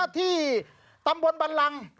ที่ตำบลบันลัง